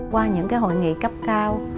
qua những hội nghị cấp cao